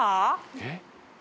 えっ。